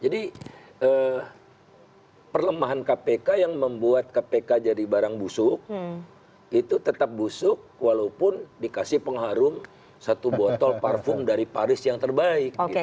jadi perlemahan kpk yang membuat kpk jadi barang busuk itu tetap busuk walaupun dikasih pengharum satu botol parfum dari paris yang terbaik oke